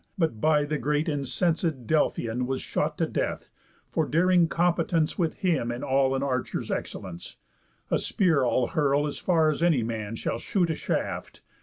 But by the great incenséd Delphian Was shot to death, for daring competence With him in all an archer's excellence. A spear I'll hurl as far as any man Shall shoot a shaft.